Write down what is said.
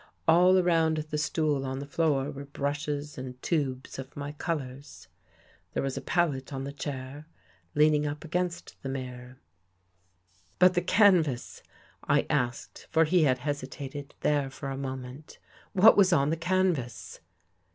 All around the stool on the floor, were brushes and tubes of my colors. There was a palette on the chair leaning up against the mirror/* " But, the canvas I " I asked, for he had hesitated there for a moment. " What was on the canvas?